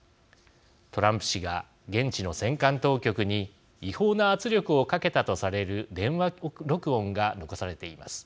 トランプ氏が現地の選管当局に違法な圧力をかけたとされる電話録音が残されています。